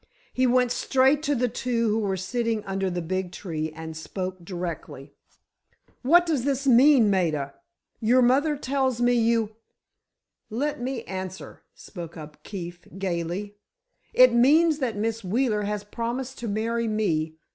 He went straight to the two who were sitting under the big tree, and spoke directly: "What does this mean, Maida? Your mother tells me you——" "Let me answer," spoke up Keefe, gaily; "it means that Miss Wheeler has promised to marry me.